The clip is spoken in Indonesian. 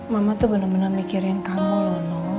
mama tuh benar benar mikirin kamu loh no